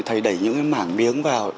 thầy đẩy những cái mảng biếng vào